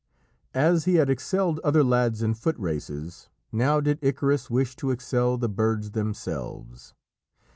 As he had excelled other lads in foot races, now did Icarus wish to excel the birds themselves.